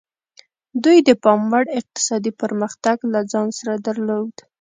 دوی د پاموړ اقتصادي پرمختګ له ځان سره درلود.